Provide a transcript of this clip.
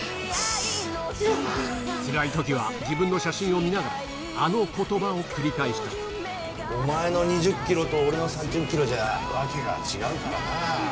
つらい時は自分の写真を見ながらあの言葉を繰り返したお前の２０ｋｇと俺の３０ｋｇじゃ訳が違うからな。